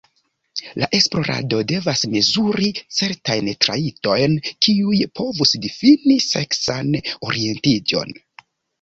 La esplorado devas mezuri certajn trajtojn kiuj povus difini seksan orientiĝon.